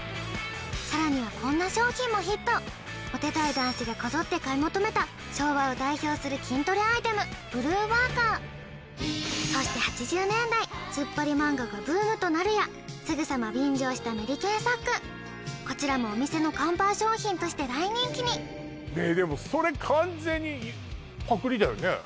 さらにはこんな商品もヒットモテたい男子がこぞって買い求めた昭和を代表する筋トレアイテムブルワーカーそして８０年代ツッパリ漫画がブームとなるやすぐさま便乗したメリケンサックこちらもお店の看板商品として大人気にでもそれ完全にパクりだよね？